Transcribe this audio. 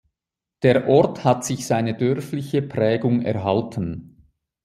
Der Ort hat sich seine dörfliche Prägung erhalten.